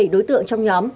bảy đối tượng trong nhóm